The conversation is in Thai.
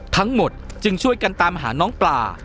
ทั้งหมดจึงช่วยกันตามหาน้องปลา